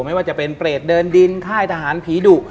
ไม่ว่าจะเป็นเปรตเดินดินค่ายทหารผีดุ